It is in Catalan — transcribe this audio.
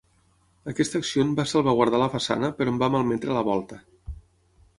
Aquesta acció en va salvaguardar la façana però en va malmetre la volta.